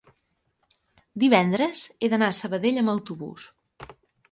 divendres he d'anar a Sabadell amb autobús.